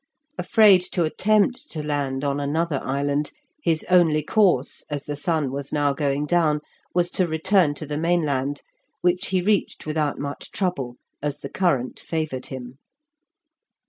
Afraid to attempt to land on another island, his only course, as the sun was now going down, was to return to the mainland, which he reached without much trouble, as the current favoured him.